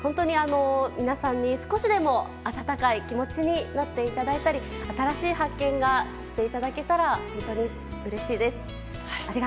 皆さんに少しでも温かい気持ちになっていただけたり新しい発見をしていただけたら本当にうれしいです。